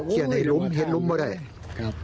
เห็นหลุมอุ๊ยมาไหนครับ